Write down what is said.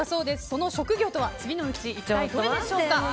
その職業とは次のうち一体どれでしょうか。